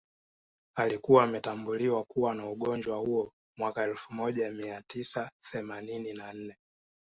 Alikuwa ametambuliwa kuwa na ugonjwa huo mwaka elfu moja mia tisa themanini na nne